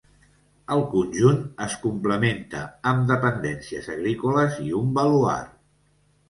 El conjunt es complementa amb dependències agrícoles i un baluard.